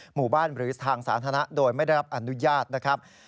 หมู่บ้านหรือทางสาธารณะโดยไม่ได้รับอนุญาตนะครับ